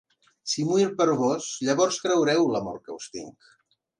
Si muir per vós, llavors creureu l'amor que us tinc.